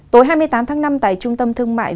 tối hai mươi tám tháng năm tại trung tâm thương mại